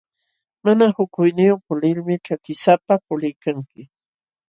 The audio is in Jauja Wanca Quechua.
Mana hukuyniyuq pulilmi ćhakisapa puliykanki.